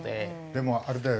でもあれだよ。